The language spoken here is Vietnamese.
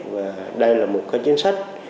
và đây là một cái chính sách